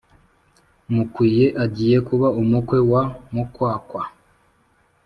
Mukwiye agiye kuba umukwe wa mukwakwa